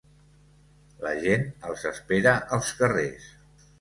La gent els espera als carrers.